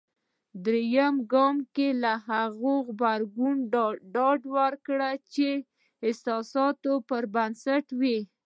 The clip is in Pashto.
درېم ګام کې له هغه غبرګون ډډه وکړئ. چې د احساساتو پر بنسټ وي.